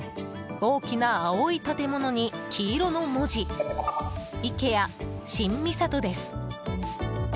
大きな青い建物に黄色の文字イケア新三郷です。